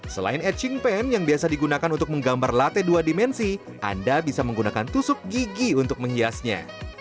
selain etching pan yang biasa digunakan untuk menggambar latte dua dimensi anda bisa menggunakan tusuk gigi untuk menghiasnya